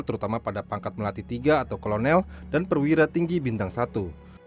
terutama pada pangkat melati tiga atau kolonel dan perwira tinggi bintang satu